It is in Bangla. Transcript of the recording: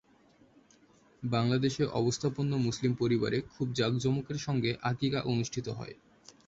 বাংলাদেশে অবস্থাপন্ন মুসলিম পরিবারে খুব জাঁকজমকের সঙ্গে আকিকা অনুষ্ঠিত হয়।